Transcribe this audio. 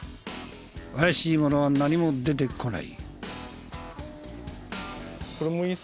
怪しいものは何も出てこない。